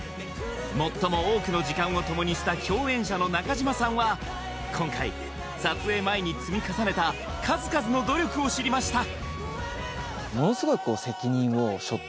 最も多くの時間をともにした共演者の中島さんは今回撮影前に積み重ねた数々の努力を知りました